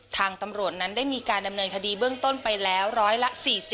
ทางตำรวจนั้นได้มีการดำเนินคดีเบื้องต้นไปแล้วร้อยละ๔๐